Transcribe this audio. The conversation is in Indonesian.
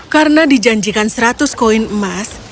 karena dijanjikan seratus koin emas